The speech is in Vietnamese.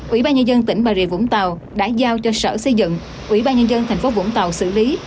ủy ban nhân dân tỉnh bà rịa vũng tàu đã giao cho sở xây dựng ủy ban nhân dân tp vũng tàu xử lý